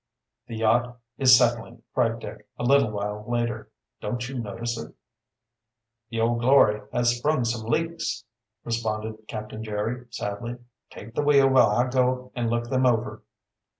"The yacht is settling," cried Dick, a little while later. "Don't you notice it?" "The Old Glory has sprung some leaks," responded Captain Jerry sadly. "Take the wheel while I go and look them over."